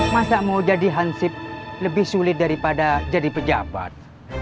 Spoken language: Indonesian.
masa mau jadi hansip lebih sulit daripada jadi pejabat